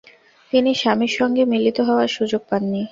তিনি স্বামীর সঙ্গে মিলিত হওয়ার সুযোগ পাননি।